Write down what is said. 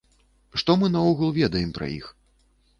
Што мы наогул ведаем пра іх?